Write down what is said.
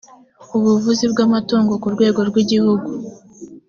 ubuvuzi bw’amatungo ku rwego rw’igihugu